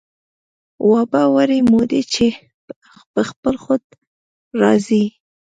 وابه وړي مودې چې په خپل خود را ځي